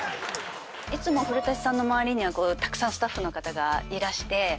いつも古さんの周りにはたくさんスタッフの方いらして。